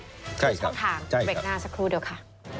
ทุกช่องทางเบรกหน้าสักครู่เดียวค่ะ